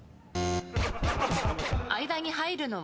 間に入るのは？